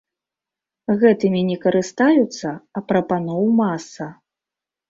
Гэтымі не карыстаюцца, а прапаноў маса!